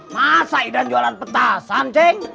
masa idan jualan petasan ceng